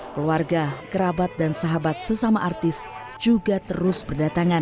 keluarga kerabat dan sahabat sesama artis juga terus berdatangan